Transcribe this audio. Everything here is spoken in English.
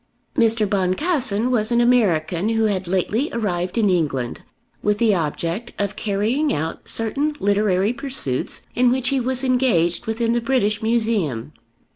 Mr. Boncassen was an American who had lately arrived in England with the object of carrying out certain literary pursuits in which he was engaged within the British Museum.